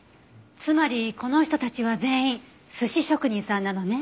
つまりこの人たちは全員寿司職人さんなのね。